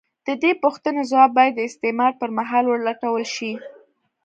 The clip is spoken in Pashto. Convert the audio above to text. د دې پوښتنې ځواب باید د استعمار پر مهال ولټول شي.